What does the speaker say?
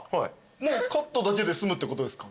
もうカットだけで済むってことですか？